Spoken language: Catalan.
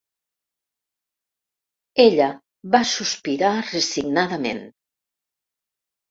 Ella va sospirar resignadament.